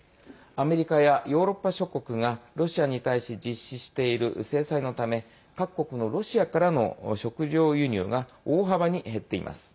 アメリカやヨーロッパ諸国がロシアに対し実施している制裁のため各国のロシアからの食糧輸入が大幅に減っています。